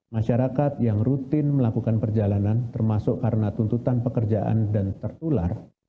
masyarakat yang rutin melakukan perjalanan termasuk karena tuntutan pekerjaan dan tertular